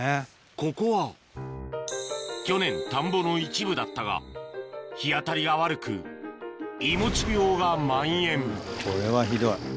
ここは去年田んぼの一部だったが日当たりが悪くいもち病がまん延これはひどい。